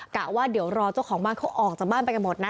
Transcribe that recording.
กะว่าเดี๋ยวรอเจ้าของบ้านเขาออกจากบ้านไปกันหมดนะ